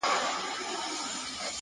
هره تجربه د فکر نوی اړخ پرانیزي.